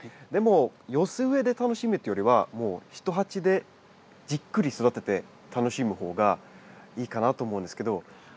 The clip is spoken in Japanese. でも寄せ植えで楽しむというよりはもうひと鉢でじっくり育てて楽しむ方がいいかなと思うんですけど。